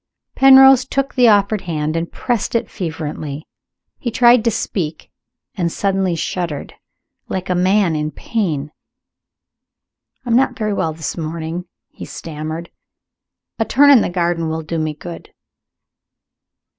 Penrose took the offered hand, and pressed it fervently. He tried to speak and suddenly shuddered, like a man in pain. "I am not very well this morning," he stammered; "a turn in the garden will do me good."